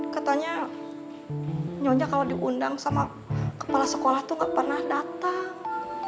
katanya nyonya kalau diundang sama kepala sekolah tuh gak pernah datang